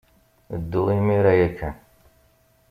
Ddu imir-a ya kan.